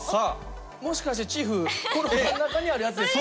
もしかしてチーフこの真ん中にあるやつですか？